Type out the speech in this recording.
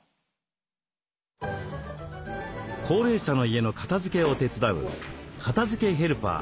高齢者の家の片づけを手伝う「片づけヘルパー」